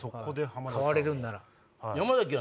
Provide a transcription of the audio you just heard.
替われるんなら。